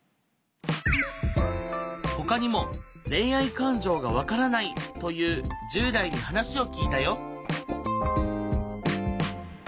ほかにも「“恋愛感情”がわからない」という１０代に話を聞いたよ。